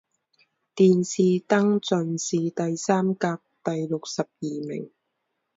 殿试登进士第三甲第六十二名。